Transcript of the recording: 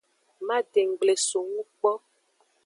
Madenggble songu kpo.